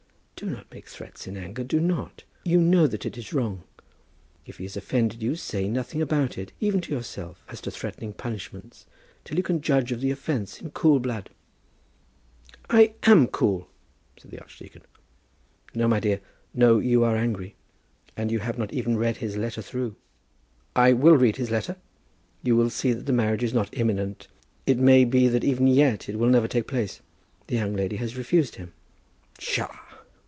"Do not make threats in anger. Do not! You know that it is wrong. If he has offended you, say nothing about it, even to yourself, as to threatened punishments, till you can judge of the offence in cool blood." "I am cool," said the archdeacon. "No, my dear; no; you are angry. And you have not even read his letter through." "I will read his letter." "You will see that the marriage is not imminent. It may be that even yet it will never take place. The young lady has refused him." "Psha!"